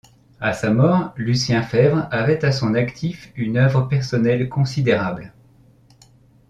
À sa mort, Lucien Febvre avait à son actif une œuvre personnelle considérable.